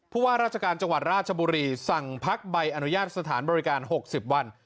ว่าราชการจังหวัดราชบุรีสั่งพักใบอนุญาตสถานบริการ๖๐วัน